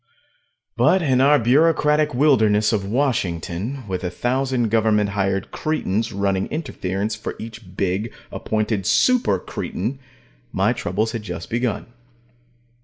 But in our bureaucratic wilderness of Washington, with a thousand government hired cretins running interference for each big, appointed super cretin, my troubles had just begun.